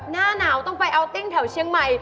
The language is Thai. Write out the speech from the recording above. หน้าหนาวต้องไปอัลติ้งแถวเชียงใหม่